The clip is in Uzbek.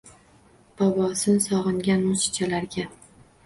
Bobosin sog’ingan musichalarga…